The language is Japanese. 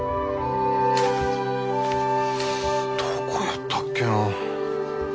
どこやったっけな？